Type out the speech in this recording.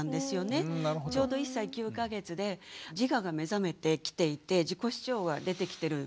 ちょうど１歳９か月で自我が目覚めてきていて自己主張は出てきてる。